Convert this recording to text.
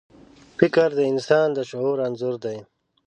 فکر د انسان د شعور انځور دی.